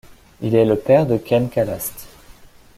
Il est le père de Ken Kallaste.